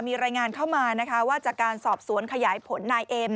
มีรายงานเข้ามานะคะว่าจากการสอบสวนขยายผลนายเอ็ม